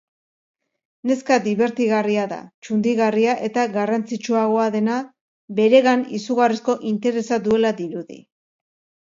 Neska dibertigarria da, txundigarria eta garrantzitsuagoa dena beregan izugarrizko interesa duela dirudi.